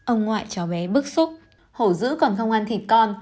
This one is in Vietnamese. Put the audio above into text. ông ngoại cháu bé bức xúc hổ giữ còn không ăn thịt con